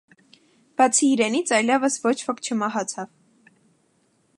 Բացի իրենից այլևս ոչ ոք չմահացավ։